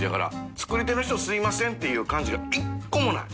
遒蠎蠅凌すいませんっていう感じが１個もない。